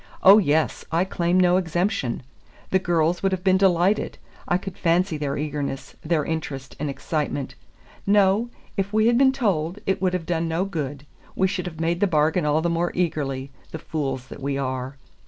Oh, yes, I claim no exemption. The girls would have been delighted. I could fancy their eagerness, their interest, and excitement. No; if we had been told, it would have done no good, we should have made the bargain all the more eagerly, the fools that we are.